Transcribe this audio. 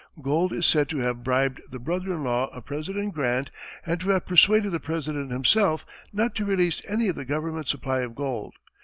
Gould is said to have bribed the brother in law of President Grant and to have persuaded the President himself not to release any of the government supply of gold.